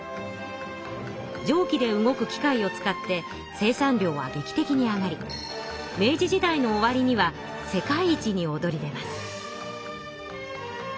蒸気で動く機械を使って生産量はげき的に上がり明治時代の終わりには世界一におどり出ます。